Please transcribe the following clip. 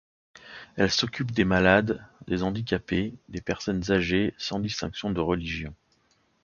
Elles s'occupent des malades, des handicapés, des personnes âgées, sans distinction de religion.